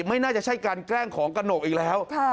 ไม่น่าจะใช่การแกล้งของกระหนกอีกแล้ว